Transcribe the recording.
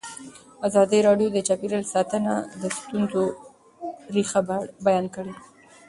ازادي راډیو د چاپیریال ساتنه د ستونزو رېښه بیان کړې.